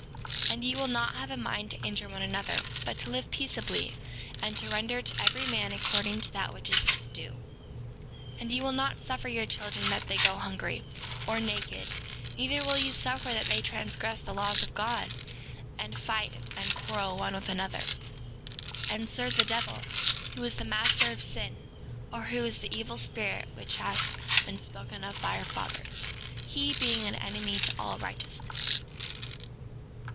4:13 And ye will not have a mind to injure one another, but to live peaceably, and to render to every man according to that which is his due. 4:14 And ye will not suffer your children that they go hungry, or naked; neither will ye suffer that they transgress the laws of God, and fight and quarrel one with another, and serve the devil, who is the master of sin, or who is the evil spirit which hath been spoken of by our fathers, he being an enemy to all righteousness.